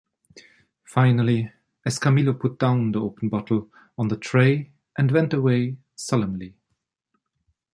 Finally, Escamillo put down the open bottle on the tray and went away solemnly.